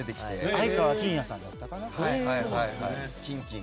愛川欽也さんだったかな。